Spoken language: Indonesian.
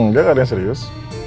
nggak ada yang serius